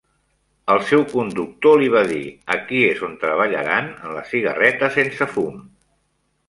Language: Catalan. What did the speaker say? El seu conductor li va dir "Aquí és on treballaran en la cigarreta sense fum".